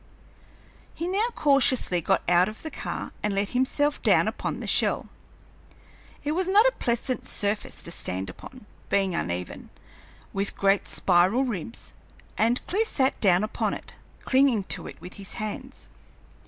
He now cautiously got out of the car and let himself down upon the shell. It was not a pleasant surface to stand upon, being uneven, with great spiral ribs, and Clewe sat down upon it, clinging to it with his hands.